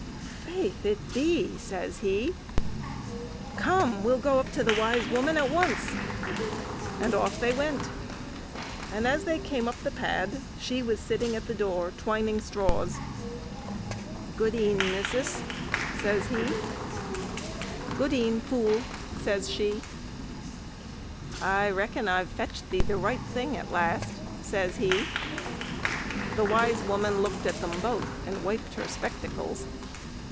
"Faith, it be!" says he. "Come, we'll go up to the wise woman at once," and off they went. And as they came up the pad, she was sitting at the door, twining straws. "Gode'en, missis," says he. "Gode'en, fool," says she. "I reckon I've fetched thee the right thing at last," says he. The wise woman looked at them both, and wiped her spectacles.